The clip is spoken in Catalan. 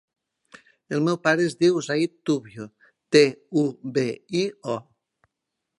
El meu pare es diu Zaid Tubio: te, u, be, i, o.